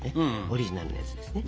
オリジナルのやつですね。